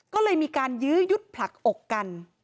ก็เลยมีการยื้อยุดผลักอกกัน